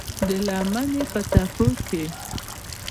د لمنې په څپو کې یې